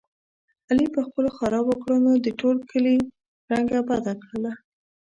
علي په خپلو خرابو کړنو د ټول کلي رنګه بده کړله.